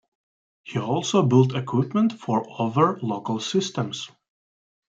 He also built equipment for other local systems.